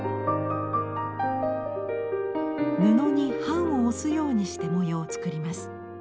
布に版を押すようにして模様を作ります。